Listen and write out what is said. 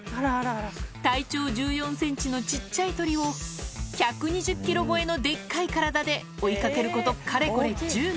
体長１４センチのちっちゃい鳥を、１２０キロ超えのでっかい体で追いかけること、かれこれ１０年。